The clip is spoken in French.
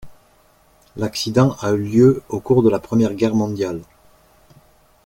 L'accident a lieu en au cours de la Première Guerre mondiale.